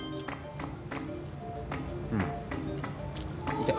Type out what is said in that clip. うん。